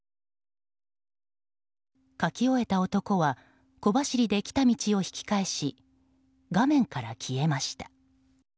書き終えた男は小走りで来た道を引き返し画面から消えました。